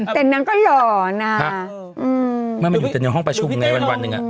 แต่นั้นก็หล่อน่ะอืมมันไม่อยู่แต่ในห้องประชุมไงวันวันหนึ่งอ่ะ